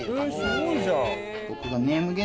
すごいじゃん。